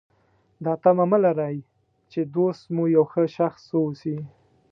دا تمه مه لرئ چې دوست مو یو ښه شخص واوسي.